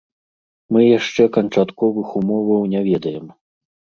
Мы яшчэ канчатковых умоваў не ведаем.